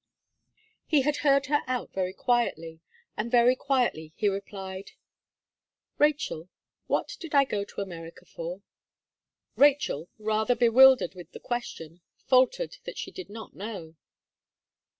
He had heard her out very quietly, and very quietly he replied: "Rachel, what did I go to America for?" Rachel, rather bewildered with the question, faltered that she did not know.